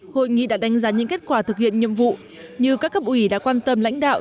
hội nghị đã đánh giá những kết quả thực hiện nhiệm vụ như các cấp ủy đã quan tâm lãnh đạo